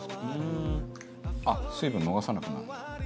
あっ水分逃さなくなるんだ。